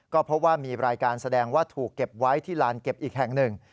ก็พบว่ามีรายการแสดงว่าถูกเก็บไว้ที่ลานเก็บอีกแห่งหนึ่ง